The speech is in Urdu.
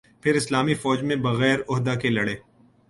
پھر اسلامی فوج میں بغیر عہدہ کے لڑے